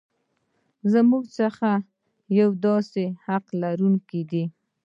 زموږ څخه هر یو د داسې حق لرونکی دی.